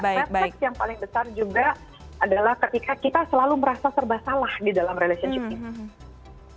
jadi konteks yang paling besar juga adalah ketika kita selalu merasa serba salah di dalam relationship ini